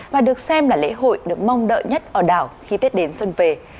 và được xem là lễ hội được mong đợi nhất ở đảo khi tết đến xuân về